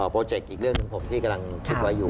โปรเจคอีกเรื่องหนึ่งผมที่กำลังคิดไว้อยู่